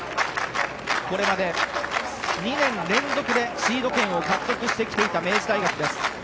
これまで２年連続でシード権を獲得してきていた明治大学です。